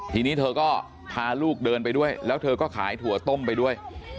ทีนี้เธอก็พาลูกเดินไปด้วยแล้วเธอก็ขายถั่วต้มไปด้วย